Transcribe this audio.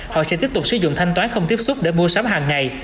họ sẽ tiếp tục sử dụng thanh toán không tiếp xúc để mua sắm hàng ngày